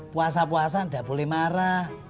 puasa puasan gak boleh marah